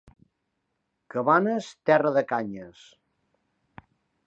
Cabanes, terra de canyes.